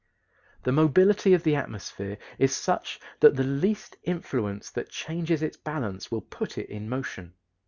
The mobility of the atmosphere is such that the least influence that changes its balance will put it in motion.